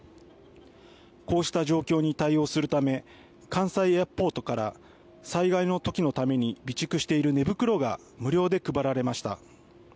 こうした状況に対応するため関西エアポートから災害の時のために備蓄している寝袋が無料で配られました。